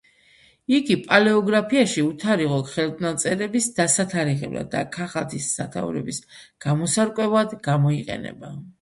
იგი პალეოგრაფიაში უთარიღო ხელნაწერების დასათარიღებლად და ქაღალდის სადაურობის გამოსარკვევად გამოიყენება.